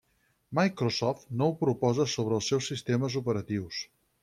Microsoft no ho proposa sobre els seus sistemes operatius.